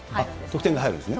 得点が入るんですね。